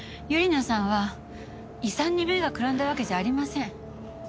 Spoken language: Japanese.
ゆり菜さんは遺産に目がくらんだわけじゃありません。